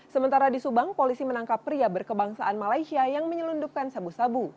sementara di subang polisi menangkap pria berkebangsaan malaysia yang menyelundupkan sabu sabu